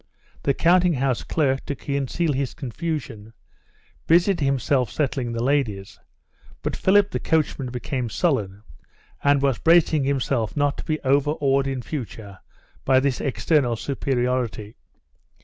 The counting house clerk, to conceal his confusion, busied himself settling the ladies, but Philip the coachman became sullen, and was bracing himself not to be overawed in future by this external superiority.